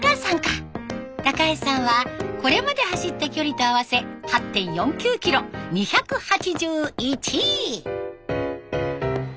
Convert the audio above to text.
高橋さんはこれまで走った距離と合わせ８．４９キロ２８１位。